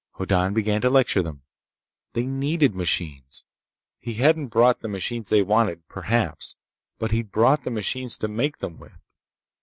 Hoddan began to lecture them. They needed machines. He hadn't brought the machines they wanted, perhaps, but he'd brought the machines to make them with.